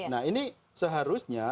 nah ini seharusnya